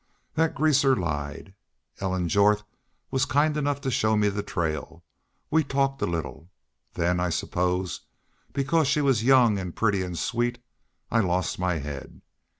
The greaser lied. Ellen Jorth was kind enough to show me the trail. We talked a little. Then I suppose because she was young an' pretty an' sweet I lost my head.